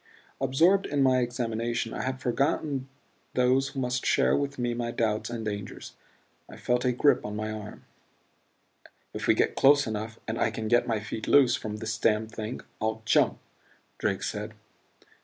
Absorbed in my examination I had forgotten those who must share with me my doubts and dangers. I felt a grip on my arm. "If we get close enough and I can get my feet loose from this damned thing I'll jump," Drake said.